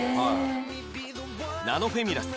ナノフェミラス